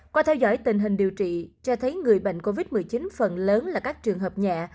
qua theo dõi tình hình điều trị cho thấy người bệnh covid một mươi chín phần lớn là các trường hợp nhẹ